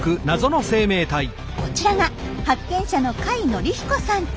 こちらが発見者の峽紀彦さんと。